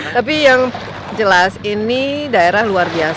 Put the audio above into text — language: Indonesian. tapi yang jelas ini daerah luar biasa